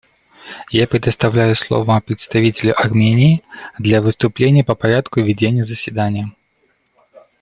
Я предоставляю слово представителю Армении для выступления по порядку ведения заседания.